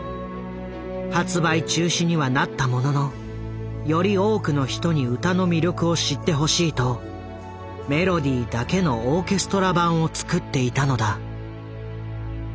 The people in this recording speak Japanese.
発売中止にはなったもののより多くの人に歌の魅力を知ってほしいとメロディーだけのオーケストラ版を作っていたのだ。